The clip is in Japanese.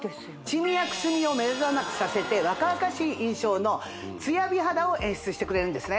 シミやくすみを目立たなくさせて若々しい印象のツヤ美肌を演出してくれるんですね